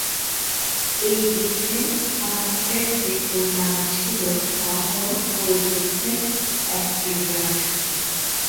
এই যুদ্ধে হতাহতের যে পরিমাণ ছিলো তা হলো পুরো যুদ্ধের এক-তৃতীয়াংশ।